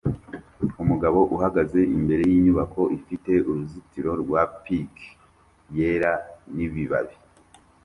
Umugabo uhagaze imbere yinyubako ifite uruzitiro rwa pike yera nibibabi